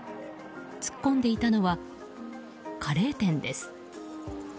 突っ込んでいたのはカレー店です。